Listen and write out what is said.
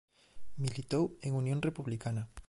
Militou en Unión Republicana.